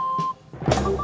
saya juga ngantuk